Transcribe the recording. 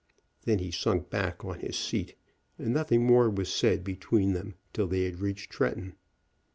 Then he sunk back on his seat, and nothing more was said between them till they had reached Tretton.